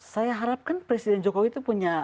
saya harapkan presiden jokowi itu punya